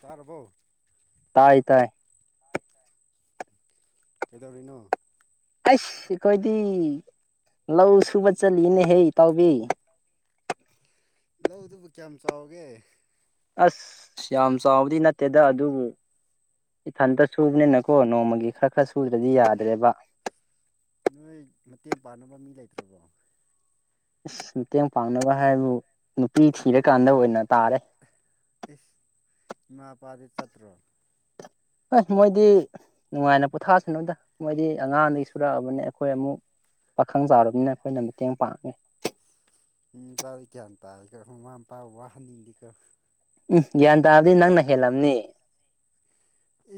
ꯇꯥꯔꯕꯣ? ꯇꯥꯏ ꯇꯥꯏ ꯇꯥꯏ ꯇꯥꯏ꯫ ꯀꯩꯗꯧꯔꯤꯅꯣ? ꯑꯩꯁ ꯑꯩꯈꯣꯏꯗꯤ ꯂꯧ ꯁꯨꯕ ꯆꯠꯂꯤꯌꯦꯅꯦꯍꯦ ꯏꯇꯥꯎꯕꯤ꯫ ꯂꯧꯗꯨꯕꯨ ꯀ꯭ꯌꯥꯝ ꯆꯥꯎꯒꯦ? ꯑꯁ ꯌꯥꯝ ꯆꯥꯎꯕꯗꯤ ꯅꯠꯇꯦꯗ ꯑꯗꯨꯕꯨ ꯏꯊꯟꯇꯥ ꯁꯨꯕꯅꯦꯅꯀꯣ ꯅꯣꯡꯃꯒꯤ ꯈꯔ ꯈꯔ ꯁꯨꯗ꯭ꯔꯗꯤ ꯌꯥꯗ꯭ꯔꯦꯕ꯫ ꯅꯣꯏ ꯃꯇꯦꯡ ꯄꯥꯡꯅꯕ ꯃꯤ ꯂꯩꯇ꯭ꯔꯕꯣ? ꯏꯁ ꯃꯇꯦꯡ ꯄꯥꯡꯅꯕ ꯍꯥꯏꯕꯕꯨ ꯅꯨꯄꯤ ꯊꯤꯔꯀꯥꯟꯗ ꯑꯣꯏꯅ ꯇꯥꯔꯦ ꯏꯁ ꯏꯃꯥ ꯏꯄꯥꯗꯤ ꯆꯠꯇ꯭ꯔꯣ? ꯍꯣꯏ ꯃꯣꯏꯗꯤ ꯅꯨꯡꯉꯥꯏꯅ ꯄꯣꯊꯥꯁꯅꯨꯗ ꯃꯣꯏꯗꯤ ꯑꯉꯥꯡꯗꯒꯤ ꯁꯨꯔꯛꯑꯕꯅꯦꯞ ꯈꯣꯏ ꯑꯃꯨꯛ ꯄꯥꯈꯪ ꯆꯥꯎꯔꯕꯅꯤꯅ ꯑꯩꯈꯣꯏꯅ ꯃꯇꯦꯡ ꯄꯥꯡꯉꯦ꯫ ꯃꯤ ꯃꯆꯥꯗꯤ ꯒ꯭ꯌꯥꯟ ꯇꯥꯏꯀꯣ ꯃꯥꯃꯥ ꯃꯄꯥ ꯋꯥꯍꯟꯅꯤꯡꯗꯦꯀꯣ ꯎꯝ ꯒ꯭ꯌꯥꯟ ꯇꯥꯗꯦ ꯅꯪꯅ ꯍꯦꯜꯂꯝꯅꯦ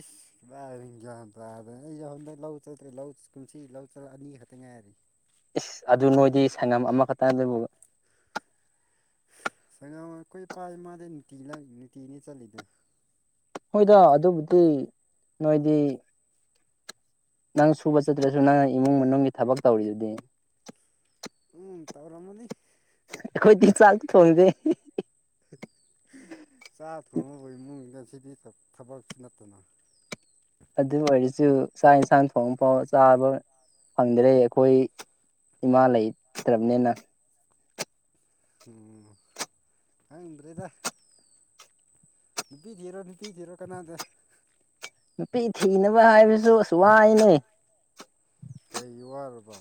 ꯏꯁ ꯀꯗꯥꯏꯗꯒꯤ ꯒ꯭ꯌꯥꯟ ꯇꯥꯗꯦ ꯑꯩ ꯌꯧ ꯍꯟꯗꯛ ꯂꯧ ꯆꯠꯇ꯭ꯔꯦ ꯂꯧ ꯀꯨꯝꯁꯤ ꯂꯧ ꯆꯠꯂ ꯑꯅꯤ ꯈꯛꯇ ꯉꯥꯏꯔꯤ ꯏꯁ ꯑꯗꯨ ꯅꯣꯏꯗꯤ ꯁꯪꯉꯝ ꯑꯃꯈꯛꯇꯥ ꯑꯗꯨꯕꯨ ꯁꯪꯉꯝ ꯑꯩꯈꯣꯏ ꯏꯄꯥ ꯏꯃꯥꯗꯤ ꯅꯨꯡꯇꯤꯒꯤ ꯂꯧ ꯅꯨꯡꯇꯤꯅꯤ ꯆꯠꯂꯤꯗꯣ ꯍꯣꯏꯗ ꯑꯗꯨꯕꯨꯗꯤ ꯅꯣꯏꯗꯤ ꯅꯪ ꯁꯨꯕ ꯆꯠꯇ꯭ꯔꯁꯨ ꯅꯪꯅ ꯏꯃꯨꯡ ꯃꯅꯨꯡꯒꯤ ꯊꯕꯛ ꯇꯧꯔꯤꯗꯨꯗꯤ ꯎꯝ ꯇꯧꯔꯝꯃꯅꯤ ꯑꯩꯈꯣꯏꯗꯤ ꯆꯥꯛꯇꯤ ꯊꯣꯡꯗꯦ [unintelligible] ꯆꯥꯛ ꯊꯣꯡꯕꯕꯨ ꯏꯃꯨꯡꯗ ꯁꯤꯗꯤ ꯊꯥ ꯊꯕꯛꯁꯨ ꯅꯠꯇꯅ ꯑꯗꯨ ꯑꯣꯏꯔꯁꯨ ꯆꯥꯛ ꯌꯦꯡꯁꯥꯡ ꯊꯣꯡꯕ ꯐꯥꯎ ꯆꯥꯕ ꯐꯪꯗꯔꯦ ꯑꯩꯈꯣꯏ ꯏꯃꯥ ꯂꯩ ꯇ꯭ꯔꯕꯅꯦꯅ ꯎꯝ ꯈꯪꯗ꯭ꯔꯦꯗꯥ ꯅꯨꯄꯤ ꯊꯤꯔꯣ ꯅꯨꯄꯤ ꯊꯤꯔꯣ ꯀꯥꯅꯗꯦ ꯅꯨꯄꯤ ꯊꯤꯅꯕ ꯍꯥꯏꯕꯁꯨ ꯑꯁ ꯋꯥꯏꯅꯦ ꯀꯩꯒꯤ ꯋꯥꯔꯕ?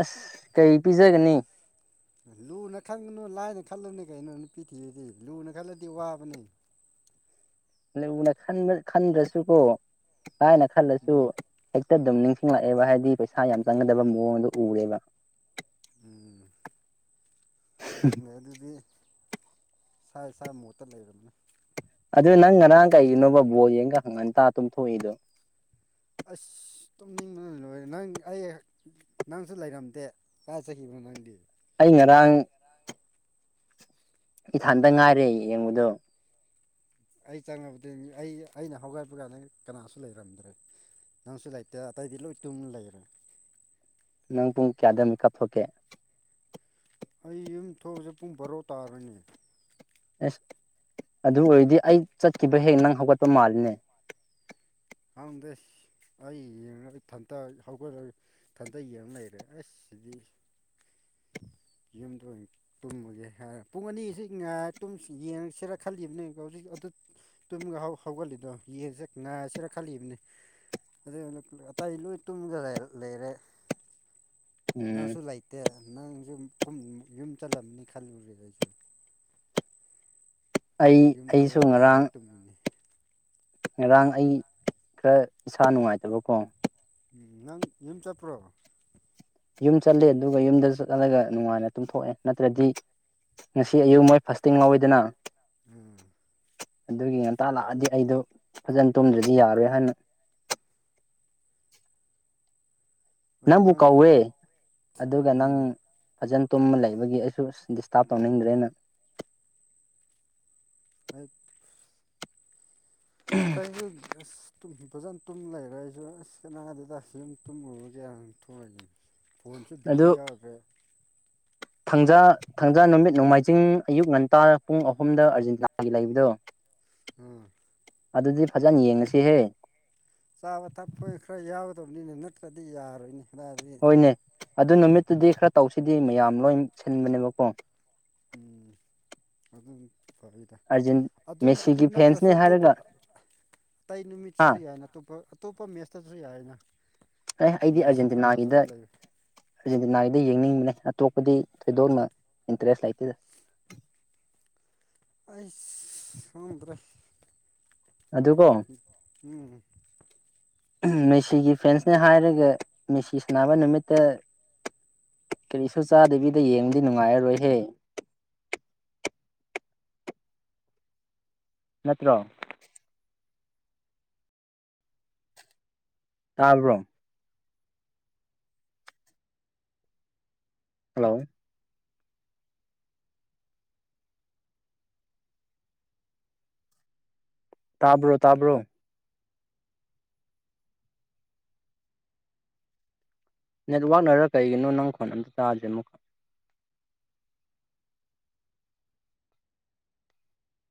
ꯑꯁ ꯀꯩ ꯄꯤꯖꯥꯒꯅꯤ? ꯂꯨꯅ ꯈꯟꯒꯅꯨ ꯂꯥꯏꯅ ꯈꯜꯂꯨꯅꯦ ꯀꯩꯅꯣ ꯅꯨꯄꯤ ꯊꯤꯕꯗꯤ ꯂꯨꯅ ꯈꯜꯂꯗꯤ ꯋꯥꯕꯅꯦ ꯂꯨꯅ ꯈꯟꯕ ꯈꯟꯗ꯭ꯔꯁꯨ ꯀꯣ ꯂꯥꯏꯅ ꯈꯜꯂꯁꯨ ꯎꯝ ꯍꯦꯛꯇ ꯗꯨꯝ ꯅꯤꯡꯁꯤꯡꯂꯛꯑꯦꯕ ꯍꯥꯏꯗꯤ ꯄꯩꯁꯥ ꯌꯥꯝ ꯆꯪꯒꯗꯕ ꯃꯑꯣꯡꯗꯣ ꯎꯔꯦꯕ꯫ ꯎꯝ [unintelligible] ꯑꯗꯨꯗꯤ ꯏꯁꯥ ꯏꯁꯥ ꯃꯣꯠꯇ ꯂꯩꯔꯝꯅꯤ ꯑꯗꯨ ꯅꯪ ꯉꯔꯥꯡ ꯀꯩꯒꯤꯅꯣꯕ ꯕꯣ ꯌꯦꯪꯂꯒ ꯉꯟꯇꯥ ꯇꯨꯝ ꯊꯣꯛꯂꯤꯗꯣ ꯑꯁ ꯇꯨꯝꯅꯤꯡꯕ ꯂꯣꯏꯔꯦ ꯅꯪ ꯑꯩ ꯅꯪꯁꯨ ꯂꯩꯔꯝꯗꯦ ꯀꯥꯏ ꯆꯠꯈꯤꯕꯅꯣ ꯅꯪꯗꯤ ꯑꯩ ꯉꯔꯥꯡ ꯏꯊꯥꯟꯇ ꯉꯥꯏꯔꯦ ꯌꯦꯡꯕꯗꯣ ꯑꯩ ꯆꯪꯉꯕꯗꯤ ꯑꯩ ꯑꯩꯅ ꯍꯧꯒꯠꯄ ꯀꯥꯟꯗ ꯀꯅꯥꯁꯨ ꯂꯩꯔꯝꯗ꯭ꯔꯦ ꯅꯪꯁꯨ ꯂꯩꯇꯦ ꯑꯇꯩꯗꯤ ꯂꯣꯏ ꯇꯨꯝ ꯂꯩꯏꯔꯦ ꯅꯪ ꯄꯨꯡ ꯀꯌꯥꯗ ꯃꯦꯀꯞ ꯊꯣꯛꯀꯦ ꯑꯩ ꯌꯨꯝ ꯊꯣꯛꯑꯁꯦ ꯄꯨꯡ ꯕꯥꯔꯣ ꯇꯥꯔꯅꯤ ꯑꯦꯁ ꯑꯗꯨ ꯑꯣꯏꯔꯗꯤ ꯑꯩ ꯆꯠꯈꯤꯕ ꯍꯦꯛ ꯅꯪ ꯍꯧꯒꯠꯄ ꯃꯥꯜꯂꯤꯅꯦ ꯈꯪꯗꯨ ꯑꯩ ꯌꯦꯡꯉꯒ ꯑꯩ ꯊꯟꯇ ꯍꯧꯒꯠꯂꯒ ꯊꯟꯇ ꯌꯦꯡ ꯂꯩꯔꯦ ꯑꯁ ꯁꯤꯗꯤ ꯌꯨꯝꯗ ꯑꯣꯏ ꯇꯨꯝꯃꯒꯦ ꯍꯥꯏ ꯄꯨꯡ ꯑꯅꯤꯁꯤ ꯉ ꯌꯦꯡꯉꯁꯤꯔ ꯈꯜꯂꯤꯕꯅꯦ ꯍꯧꯖꯤꯛ ꯑꯗꯨ ꯇꯨꯝꯒ ꯍꯧꯒꯠꯜꯂꯤꯗꯣ ꯌꯦꯟꯁꯦ ꯉꯥꯏꯔꯁꯤꯔ ꯈꯜꯂꯤꯕꯅꯦ ꯑꯗꯨ ꯑꯇꯩ ꯂꯣꯏ ꯇꯨꯝꯒ ꯂꯩ ꯂꯩꯔꯦ ꯎꯝ ꯅꯪꯁꯨ ꯂꯩꯇꯦ ꯅꯪꯁꯨ ꯀ ꯌꯨꯝ ꯆꯠꯂꯝꯅꯤ ꯈꯜꯂꯨꯔꯦ ꯑꯩꯁꯨ ꯑꯩ ꯑꯩꯁꯨ ꯉꯔꯥꯡ ꯎꯟꯅꯦ ꯉꯔꯥꯡ ꯑꯩ ꯈꯔ ꯏꯁꯥ ꯅꯨꯡꯉꯥꯏꯇꯕꯀꯣ ꯎꯝ ꯅꯪ ꯌꯨꯝ ꯆꯄ꯭ꯔꯣ ꯌꯨꯝ ꯆꯠꯂꯦ ꯑꯗꯨꯒ ꯌꯨꯝꯗ ꯆꯠꯍꯂꯒ ꯅꯨꯡꯉꯥꯏꯅ ꯇꯨꯝꯊꯣꯛꯑꯦ ꯅꯠꯇ꯭ꯔꯗꯤ ꯉꯁꯤ ꯑꯌꯨꯛ ꯃꯣꯏ ꯐꯁꯇꯤꯡ ꯉꯥꯎꯑꯦꯗꯥꯅꯥ ꯎꯝ ꯑꯗꯨꯒꯤ ꯉꯟꯇꯥ ꯂꯥꯛꯑꯗꯤ ꯑꯩꯗꯣ ꯐꯖꯅ ꯇꯨꯝꯗ꯭ꯔꯗꯤ ꯌꯥꯔꯣꯏ ꯍꯥꯏꯅ ꯑꯗꯨ ꯅꯪꯕꯨ ꯅꯪ ꯀꯧꯏ ꯑꯗꯨꯒ ꯅꯪ ꯎꯝ ꯐꯖꯅ ꯇꯨꯝꯃ ꯂꯩꯕꯒꯤ ꯑꯩꯁꯨ ꯗꯤꯁꯇꯥꯔꯕ ꯇꯧꯅꯤꯡꯗ꯭ꯔꯦꯅ ꯑꯩ ꯇꯁꯨ [unintelligible] ꯇꯨꯝꯝ ꯐꯖꯅ ꯇꯨꯝ ꯂꯩꯔ ꯑꯩꯁꯨ ꯑꯁ ꯀꯅꯥꯗꯨꯗ ꯌꯨꯝ ꯇꯨꯝꯒꯦ ꯍꯥꯌꯅꯥ ꯊꯣꯛꯏꯒꯅꯤ ꯐꯣꯟꯁꯨ ꯕꯦꯇ꯭ꯔꯤ ꯌꯥꯎꯈ꯭ꯔꯦ ꯊꯪꯖꯥ ꯊꯥꯡꯖꯥ ꯅꯨꯃꯤꯠ ꯅꯣꯡꯃꯥꯏꯖꯤꯡ ꯑꯌꯨꯛ ꯉꯟꯇꯥ ꯄꯨꯡ ꯑꯍꯨꯝꯗ ꯑꯥꯔꯖꯦꯟꯇꯤꯅꯥꯒꯤ ꯂꯩꯕꯗꯣ ꯎꯝ ꯑꯗꯨꯗꯤ ꯐꯖꯅ ꯌꯦꯡꯉꯁꯤꯍꯦ ꯆꯥꯕ ꯊꯛꯄ ꯈꯔ ꯌꯥꯎꯒꯗꯕꯅꯤꯅ ꯅꯠꯇ꯭ꯔꯗꯤ ꯌꯥꯔꯣꯏꯅꯦ ꯅꯦ ꯑꯗꯨ ꯅꯨꯃꯤꯠꯇꯨꯗꯤ ꯈꯔ ꯇꯧꯁꯤꯗꯤ ꯃꯌꯥꯝ ꯂꯣꯏ ꯁꯤꯟꯕꯅꯦꯕꯀꯣ ꯑꯗꯨ ꯑꯗꯨ ꯐ ꯑꯥꯔꯖꯦꯟ ꯑꯗꯨ ꯑꯗꯨ ꯃꯦꯁꯤꯒꯤ ꯅꯠꯇ꯭ꯔꯁꯨ ꯐꯦꯟꯁꯅꯦ ꯑꯇꯣꯞꯄ ꯍꯥꯏꯔꯒ ꯑꯇꯩ ꯍꯥ ꯅꯨꯃꯤꯠꯁꯨ ꯌꯥꯏꯅ ꯑꯇꯣꯞꯄ ꯑꯇꯣꯞꯄ ꯃꯦꯁꯇꯁꯨ ꯌꯥꯏꯅ ꯑꯦ ꯑꯩꯗꯤ ꯃꯦꯠꯁ ꯈꯔ ꯑꯔꯖꯦꯟꯇꯤꯅꯥꯒꯤꯗ ꯐꯖꯕ ꯂꯩ ꯑꯥꯔꯖꯦꯟꯇꯤꯅꯥꯒꯤꯗꯤ ꯌꯦꯡꯅꯤꯡꯕꯅꯦ ꯑꯇꯣꯞꯄꯗꯤ ꯊꯣꯏꯗꯣꯛꯜꯅ ꯏꯟꯇꯔꯦꯁ ꯂꯩꯇꯦꯗ [inaudible] ꯑꯩꯁ ꯈꯪꯍꯧꯗ꯭ꯔꯦ ꯑꯗꯨꯒꯣ ꯎꯝ ꯃꯦꯁꯤꯒꯤ ꯐ꯭ꯔꯦꯟꯁꯅꯦ ꯍꯥꯏꯔꯒ ꯃꯦꯁꯤ ꯁꯅꯕ ꯅꯨꯃꯤꯠꯇ ꯀꯔꯤꯁꯨ ꯆꯥꯗꯕꯤꯗ ꯌꯦꯡꯕꯗꯤ ꯅꯨꯡꯉꯥꯏꯔꯔꯣꯏꯍꯦ ꯅꯠꯇ꯭ꯔꯣ ꯇꯥꯕ꯭ꯔꯣ ꯍꯜꯂꯣ ꯇꯥꯕ꯭ꯔꯣ ꯇꯥꯕ꯭ꯔꯣ ꯅꯦꯠꯋꯥꯛꯅꯔ ꯀꯩꯒꯤꯅꯣ ꯅꯪ ꯈꯣꯟ ꯑꯝꯇ ꯇꯥꯗ꯭ꯔꯦ ꯃꯈꯣꯟ